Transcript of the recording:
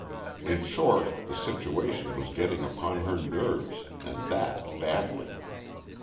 In short the situation was getting upon her nerves and that badly.